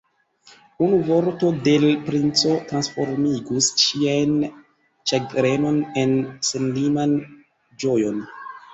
Unu vorto de l' princo transformigus ŝian ĉagrenon en senliman ĝojon.